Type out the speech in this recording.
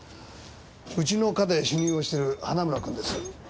うちの課で主任をしてる花村君です。